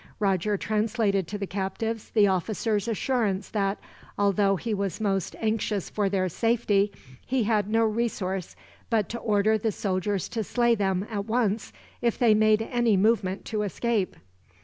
Roger translated to the captives the officer's assurance that, although he was most anxious for their safety, he had no resource but to order the soldiers to slay them, at once, if they made any movement to escape.